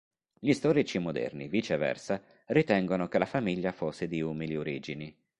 Gli storici moderni, viceversa, ritengono che la famiglia fosse di umili origini.